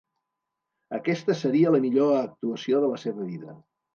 Aquesta seria la millor actuació de la seva vida.